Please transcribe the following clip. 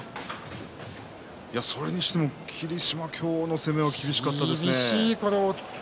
それにしても霧島今日の攻めは厳しかったですね。